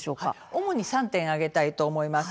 主に３点挙げたいと思います。